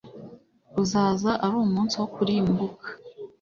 uzaza ari umunsi wo kurimbuka